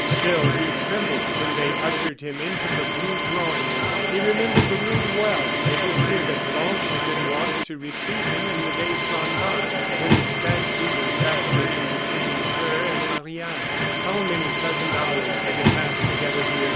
Still he trembled when they ushered him into the blue drawing room. He remembered the room well. It was here that Blanche had been wont to receive him in days gone by, when his fancy was vacillating between her and Marie Anne. How many pleasant hours they had passed together here!